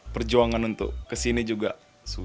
perjuangan untuk kesini juga susah